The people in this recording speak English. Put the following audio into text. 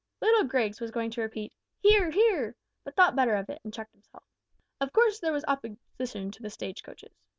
(Little Grigs was going to repeat "Hear! hear!" but thought better of it and checked himself.) "Of course there was opposition to the stage coaches.